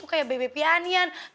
kayak bb pianian